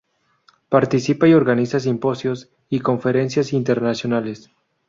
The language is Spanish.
Participa y organiza simposios y conferencias internacionales.